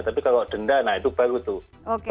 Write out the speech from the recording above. tapi kalau denda nah itu baru tuh